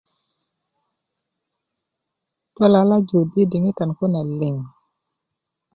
do lalaju i diŋittan kune liŋ